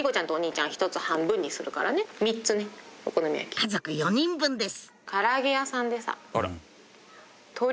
家族４人分です